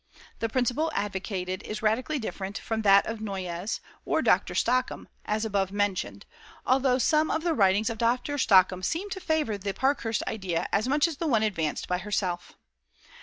The principle advocated is radically different from that of Noyes or Dr. Stockham, above mentioned, although some of the writings of Dr. Stockham seem to favor the Parkhurst idea as much as the one advanced by herself.